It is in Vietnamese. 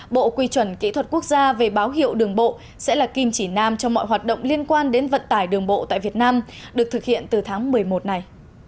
bộ quy chuẩn kỹ thuật quốc gia về báo hiệu đường bộ sẽ là kim chỉ nam cho mọi hoạt động liên quan đến vận tải đường bộ tại việt nam được thực hiện từ tháng một mươi một này